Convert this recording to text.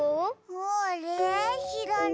あれしらない。